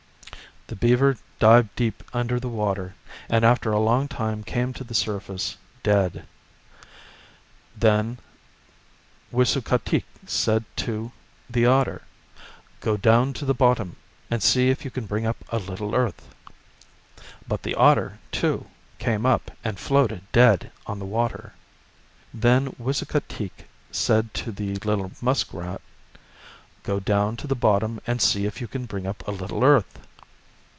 The beaver dived deep under the water, and after a long time came to the surface dead. Then Wisukateak said to the otter, " Go down to the bottom and see if you can bring up a little earth." But the otter, too, came up and floated dead on the water. Then Wis ukateak said to the little muskrat, " Go down to the bottom and see if you can bring up a little earth."